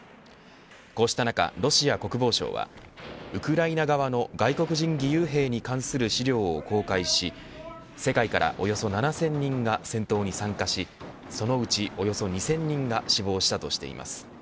こうした中、ロシア国防省はウクライナ側の外国人義勇兵に関する資料を公開し世界から、およそ７０００人が戦闘に参加しそのうち、およそ２０００人が死亡したとしています。